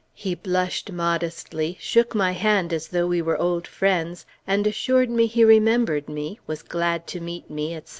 He blushed modestly, shook my hand as though we were old friends, and assured me he remembered me, was glad to meet me, etc.